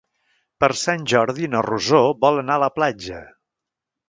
Per Sant Jordi na Rosó vol anar a la platja.